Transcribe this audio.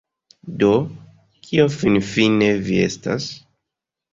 Do, kio finfine vi estas?